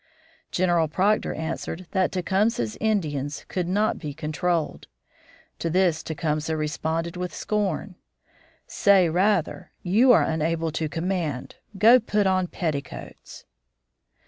General Proctor answered that Tecumseh's Indians could not be controlled. To this Tecumseh responded with scorn: "Say, rather, you are unable to command. Go put on petticoats."